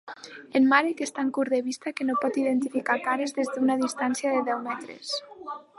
En Marek és tan curt de vista que no pot identificar cares des d'una distància de deu metres.